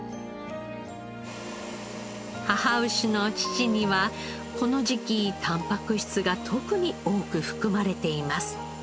母牛の乳にはこの時期タンパク質が特に多く含まれています。